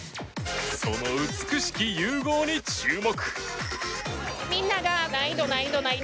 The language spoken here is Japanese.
その美しき融合に注目。